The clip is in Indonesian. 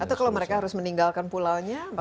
atau kalau mereka harus meninggalkan pulaunya